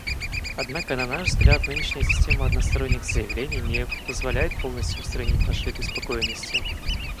Однако, на наш взгляд, нынешняя система односторонних заявлений не позволяет полностью устранить наши обеспокоенности.